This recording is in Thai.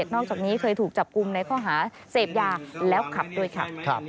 นอกจากนี้เคยถูกจับกลุ่มในข้อหาเสพยาแล้วขับด้วยค่ะ